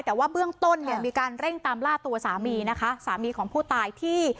แต่ว่าเบื้องต้นเนี่ยมีการเร่งตามล่าตัวสามีนะคะสามีของผู้ตายที่